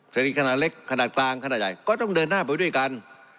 สนิทขนาดเล็กขนาดกลางขนาดใหญ่ก็ต้องเดินหน้าไปด้วยกัน